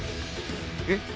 えっ？